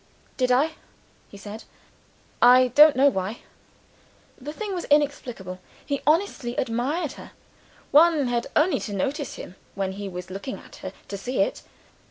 "Did I?" he said. "I don't know why." The thing was really inexplicable. He honestly admired her one had only to notice him when he was looking at her to see it.